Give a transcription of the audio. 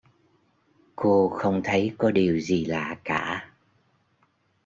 cô không thấy có điều gì lạ cả